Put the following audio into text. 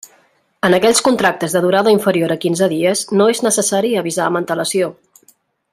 En aquells contractes de durada inferior a quinze dies no és necessari avisar amb antelació.